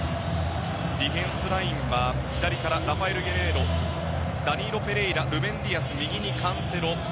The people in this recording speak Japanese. ディフェンスラインは左からラファエル・ゲレイロダニーロ・ペレイラルベン・ディアス右にカンセロ。